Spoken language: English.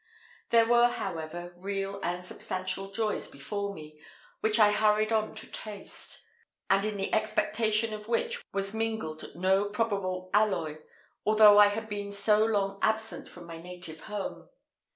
There were, however, real and substantial joys before me, which I hurried on to taste, and in the expectation of which was mingled no probable alloy, although I had been so long absent from my native home.